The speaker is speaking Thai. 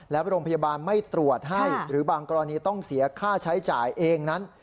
และโรงพยาบาลไม่ตรวจให้หรือบางกรณีต้องเสียค่าใช้จ่ายเองนั้น